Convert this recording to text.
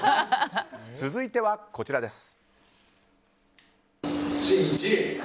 続いては、こちらです。